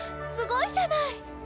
すごいじゃない！